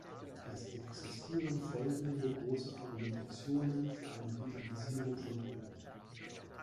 Es existieren folgende große Argumentationen für eine Legalisierung von Drogen.